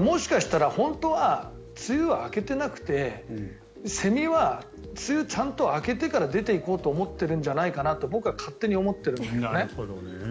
もしかしたら、本当は梅雨は明けてなくてセミは梅雨ちゃんと明けてから出ていこうと思っているんじゃないかなと僕は勝手に思ってるんだけどね。